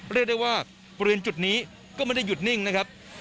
เรียกได้ว่าบริเวณจุดนี้ก็ไม่ได้หยุดนิ่งนะครับ